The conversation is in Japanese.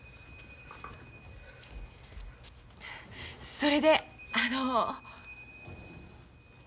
それであの。